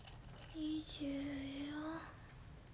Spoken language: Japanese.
２４。